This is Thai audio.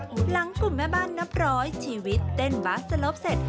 หลังกลุ่มแม่บ้านนับร้อยชีวิตเต้นบาสสลบเสร็จ